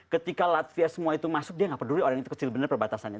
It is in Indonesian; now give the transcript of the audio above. ketika latvia semua itu masuk dia nggak peduli orang itu kecil benar perbatasannya